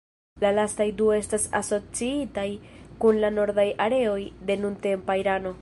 La lastaj du estas asociitaj kun la nordaj areoj de nuntempa Irano.